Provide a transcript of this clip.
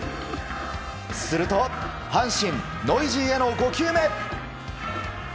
すると、阪神ノイジーへの５球目。